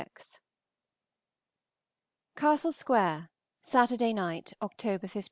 XXVI. CASTLE SQUARE, Saturday night (October 15).